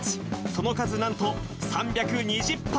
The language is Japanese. その数なんと３２０羽。